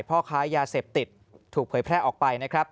พ่อค้ายาเสพติดถูกเผยแพร่ออกไปนะครับ